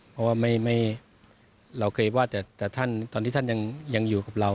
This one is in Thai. เพราะว่าเราเคยว่าแต่ท่านตอนที่ท่านยังอยู่กับเรา